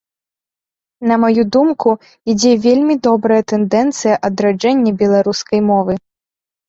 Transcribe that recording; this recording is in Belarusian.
На маю думку, ідзе вельмі добрая тэндэнцыя адраджэння беларускай мовы.